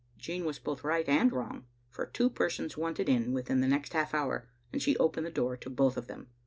" Jean was both right and wrong, for two persons wanted in within the next half hour, and she opened the door to both of them.